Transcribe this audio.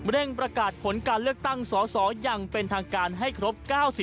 ประกาศผลการเลือกตั้งสสอย่างเป็นทางการให้ครบ๙๐